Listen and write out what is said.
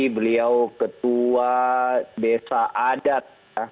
beliau ketua desa adat